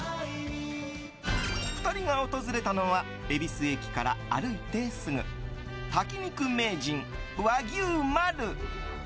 ２人が訪れたのは恵比寿駅から歩いてすぐ炊き肉名人和牛まる。